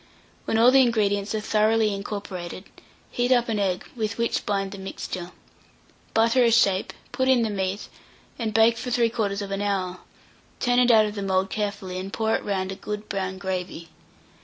When all the ingredients are thoroughly incorporated, heat up an egg, with which bind the mixture. Butter a shape, put in the meat, and hake for 3/4 hour; turn it out of the mould carefully, and pour round it a good brown gravy.